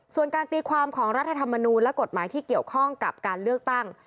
ส่วนการตีความของรัฐธรรมนูลและกฎหมายที่เกี่ยวข้องกับการเลือกตั้ง